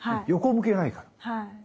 横向けないから。